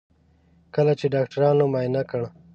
کله چې ډاکټرانو معاینه کړ.